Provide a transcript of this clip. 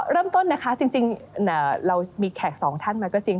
เริ่มต้นจริงเรามีแขก๒ท่านมาก็จริง